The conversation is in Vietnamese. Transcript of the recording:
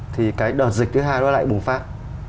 thì cái đợt dịch thứ hai nó lại bùng phát